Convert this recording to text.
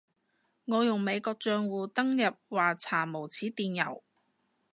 我用美國帳戶登入話查無此電郵